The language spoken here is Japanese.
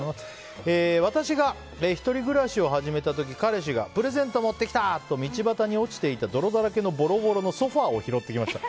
私が１人暮らしを始めた時彼氏がプレゼント持ってきた！と道端に落ちていた泥だらけのぼろぼろのソファを拾ってきました。